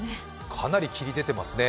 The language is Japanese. かなり霧がでていますね。